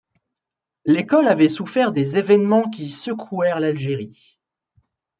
L'école avait souffert des évènements qui secouèrent l'Algérie.